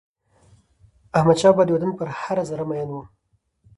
احمدشاه بابا د وطن پر هره ذره میین و.